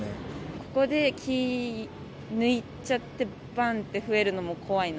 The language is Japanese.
ここで気抜いちゃって、ばんって増えるのも怖いな。